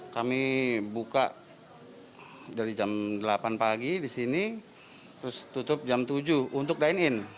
kami buka dari jam delapan pagi di sini terus tutup jam tujuh untuk dine in